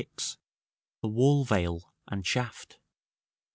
THE WALL VEIL AND SHAFT.